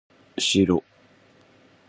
うしろ